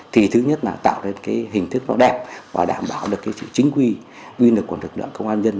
thứ nhất là tạo nên hình thức đẹp và đảm bảo được chính quy quy lực của lực lượng công an nhân